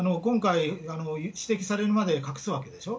なのに今回、指摘されるまで隠すわけでしょ。